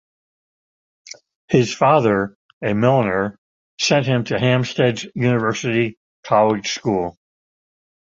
His father, a milliner, sent him to Hampstead's University College School.